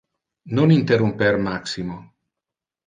Non interrumper Maximo.